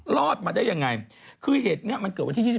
รอดมาได้ยังไงคือเหตุนี้มันเกิดวันที่๒๒